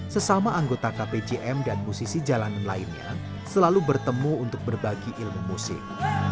sesama anggota kpjm dan musisi jalanan lainnya selalu bertemu untuk berbagi ilmu musik